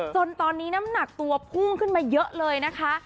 จนตอนนี้น้ำหนักตัวพุ่งขึ้นมาเยอะเลยนะคะ